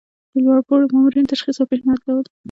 د لوړ پوړو مامورینو تشخیص او پیشنهاد کول.